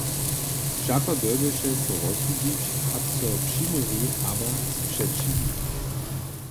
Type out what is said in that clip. Wšako dyrbješe so rozsudźić, hač so přiměri abo spřećiwi.